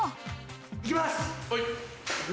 行きます。